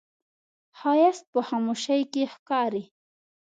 ښایست په خاموشۍ کې ښکاري